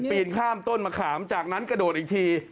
ปีนข้ามต้นมะขามจากนั้นกระโดดอีกที